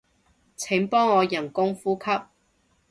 請幫我人工呼吸